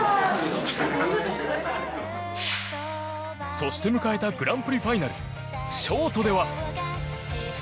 そして迎えたグランプリファイナルショートでは。